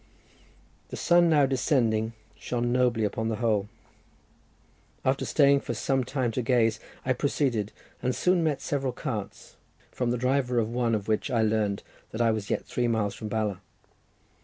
The sun now descending shone nobly upon the whole. After staying for some time to gaze, I proceeded, and soon met several carts, from the driver of one of which I learned that I was yet three miles from Bala.